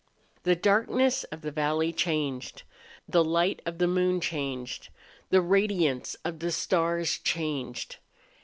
The darkness of the valley changed. The light of the moon changed. The radiance of the stars changed.